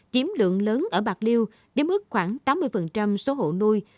chiếm lượng lớn ở bạc liêu đếm ước khoảng tám mươi số hộ nuôi